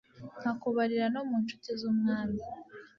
nkakubarira no mu ncuti z'umwami